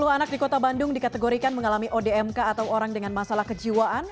sepuluh anak di kota bandung dikategorikan mengalami odmk atau orang dengan masalah kejiwaan